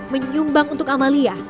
menyumbang untuk amalia